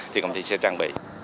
thì công ty sẽ trang bị